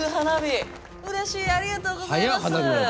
うれしいありがとうございます！